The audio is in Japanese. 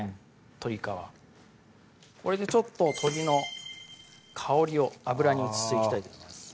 鶏皮これでちょっと鶏の香りを油にうつしていきたいと思います